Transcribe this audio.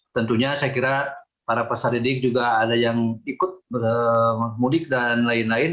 tentunya saya kira para peserta didik juga ada yang ikut mudik dan lain lain